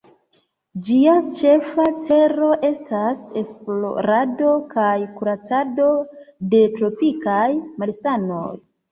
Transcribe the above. Ĝia ĉefa celo estas esplorado kaj kuracado de tropikaj malsanoj.